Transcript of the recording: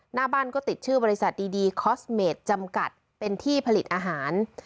หน้าบ้านก็ติดชื่อบริษัทดีคอสเมดจำกัดเป็นที่ผลิตอาหาร